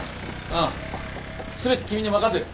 ああ全て君に任せる。